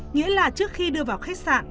nghĩa là trước khi đưa vào khách sạn